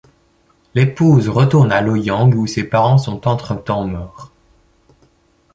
L'épouse retourne à Loyang, où ses parents sont entre-temps morts.